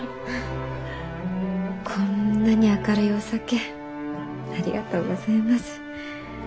こんなに明るいお酒ありがとうございます。